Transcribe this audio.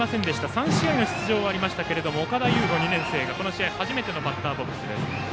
３試合の出場はありましたが岡田優吾、２年生が初めてのバッターボックス。